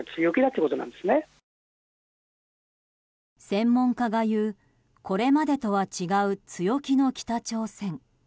専門家が言うこれまでとは違う強気の北朝鮮。